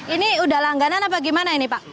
ini udah langganan apa gimana ini pak